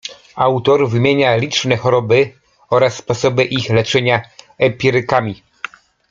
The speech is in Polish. Autor wymienia liczne choroby oraz sposoby ich leczenia empirykami.